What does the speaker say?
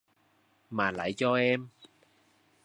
mà lại cho em